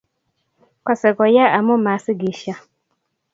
kose koya amu masigisio.